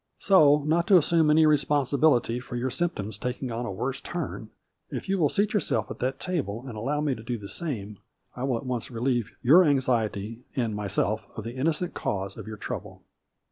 So not to assume any responsibility for your symp toms taking on a worse turn, if you will seat yourself at that table and allow me to do the same, I will at once relieve your anxiety and myself of the innocent cause of your trouble."